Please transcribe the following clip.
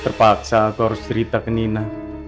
terpaksa aku harus cerita ke nina